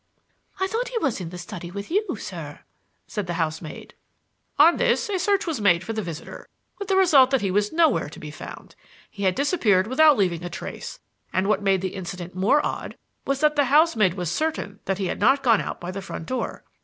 "'I thought he was in the study with you, sir,' said the housemaid. "On this a search was made for the visitor, with the result that he was nowhere to be found. He had disappeared without leaving a trace, and what made the incident more odd was that the housemaid was certain that he had not gone out by the front door.